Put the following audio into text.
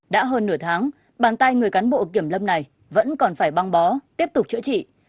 đã hơn nửa tháng bàn tay người cán bộ kiểm lâm này vẫn còn phải băng bó tiếp tục chữa trị